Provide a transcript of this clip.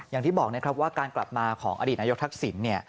อย่างที่บอกนะครับว่าการกลับมาของอดีตนายกทักษิณเนี่ย